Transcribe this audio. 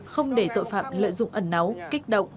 không để tội phạm lợi dụng ẩn náo kích động